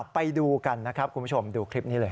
ไปดูกันนะครับคุณผู้ชมดูคลิปนี้เลย